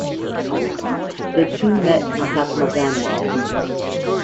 The two met Mahatma Gandhi.